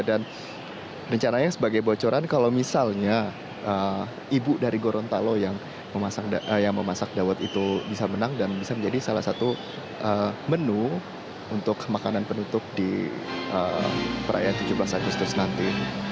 dan rencananya sebagai bocoran kalau misalnya ibu dari gorontalo yang memasak dawet itu bisa menang dan bisa menjadi salah satu menu untuk makanan penutup di perayaan tujuh belas agustus nanti